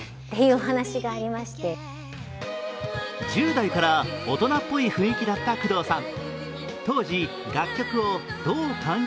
１０代から大人っぽい雰囲気だった工藤さん。